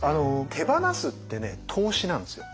手放すってね投資なんですよ。